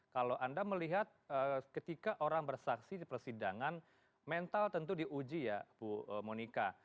kalau anda melihat ketika orang bersaksi di persidangan mental tentu diuji ya bu monika